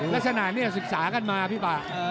และสนานนี้ศึกษากันมาพี่ป่า